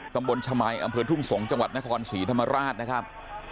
ตำบลชมัยอำเภอทุ่งสงศ์จังหวัดนครศรีธรรมราชนะครับ